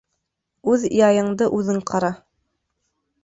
Үҙ яйыңды үҙең ҡара.